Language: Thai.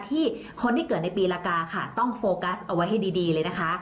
ที่คนที่เกิดในปีละกาค่ะต้องโฟกัสเอาไว้ให้ดีเลยนะคะ